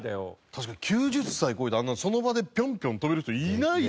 確かに９０歳超えてあんなその場でピョンピョン跳べる人いない。